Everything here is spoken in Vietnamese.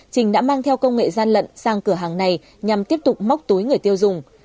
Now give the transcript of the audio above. trình đã mang theo công nghệ gian lận sang cửa hàng này nhằm tiếp tục móc túi người tiêu dùng